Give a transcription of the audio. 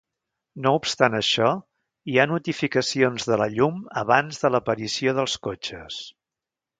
No obstant això, hi ha notificacions de la llum abans de l'aparició dels cotxes.